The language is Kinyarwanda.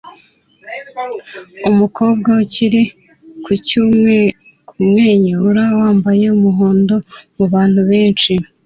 Umukobwa ukiri kumwenyura wambaye umuhondo mubantu benshi